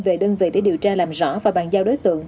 về đơn vị để điều tra làm rõ và bàn giao đối tượng